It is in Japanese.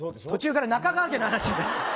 途中から中川家の話に。